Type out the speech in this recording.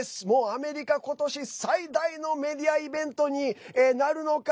アメリカ、ことし最大のメディアイベントになるのか。